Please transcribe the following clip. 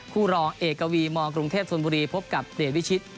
รองเอกวีมกรุงเทพธนบุรีพบกับเดชวิชิต